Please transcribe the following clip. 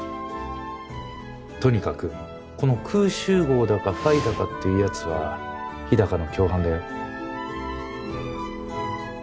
とにかくこのクウシュウゴウだかφだかっていうやつは日高の共犯だよ